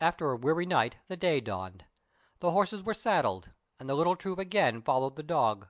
After a weary night the day dawned. The horses were saddled, and the little troop again followed the dog.